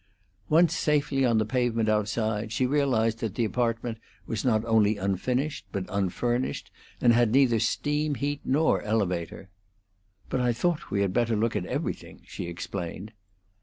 Once safely on the pavement outside, she realized that the apartment was not only unfinished, but unfurnished, and had neither steam heat nor elevator. "But I thought we had better look at everything," she explained.